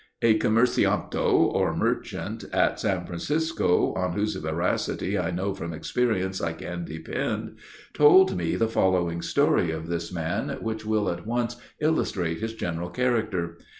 A commercianto, or merchant, at San Francisco, on whose veracity I know from experience I can depend, told me the following story of this man, which will at once illustrate his general character.